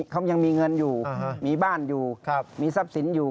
เขายังมีเงินอยู่มีบ้านอยู่มีทรัพย์สินอยู่